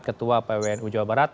ketua pwn ujawa barat